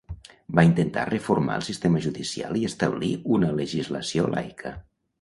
Va intentar reformar el sistema judicial i establir una legislació laica.